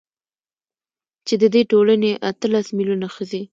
چـې د دې ټـولـنې اتـلس مـيلـيونـه ښـځـې .